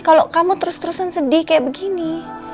kalau kamu terus terusan sedih kayak begini